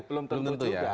belum tentu belum tentu juga